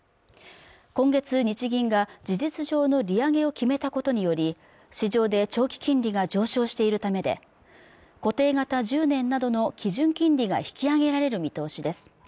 今月日銀が事実上の利上げを決めたことにより市場で長期金利が上昇しているためで固定型１０年などの基準金利が引き上げられる見通しです